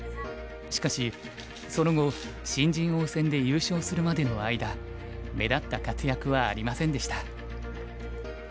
しかしその後新人王戦で優勝するまでの間目立った活躍はありませんでした。